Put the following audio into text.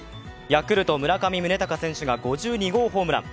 ヤクルト・村上宗隆選手が５２号ホームラン。